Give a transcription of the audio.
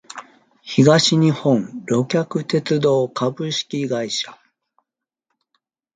東日本旅客鉄道株式会社